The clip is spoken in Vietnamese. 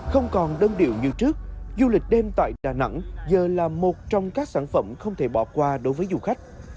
không còn đơn điệu như trước du lịch đêm tại đà nẵng giờ là một trong các sản phẩm không thể bỏ qua đối với du khách